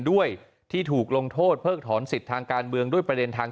ด้วยที่ถูกลงโทษเพิกถอนสิทธิ์ทางการเมืองด้วยประเด็นทาง